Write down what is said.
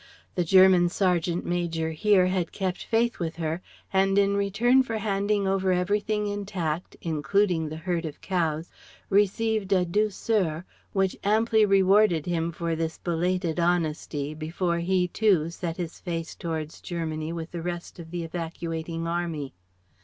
The German sergeant major here had kept faith with her, and in return for handing over everything intact, including the herd of cows, received a douceur which amply rewarded him for this belated honesty before he, too, set his face towards Germany with the rest of the evacuating army.